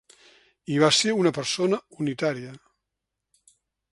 I va ser una persona unitària.